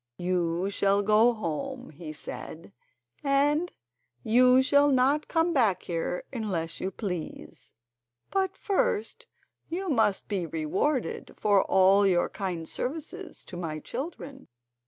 "You shall go home," he said, "and you shall not come back here unless you please. But first you must be rewarded for all your kind services to my children.